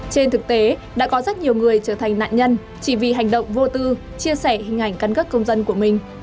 trên thực tế đã có rất nhiều người trở thành nạn nhân chỉ vì hành động vô tư chia sẻ hình ảnh căn cước công dân của mình